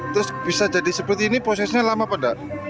terus bisa jadi seperti ini prosesnya lama apa enggak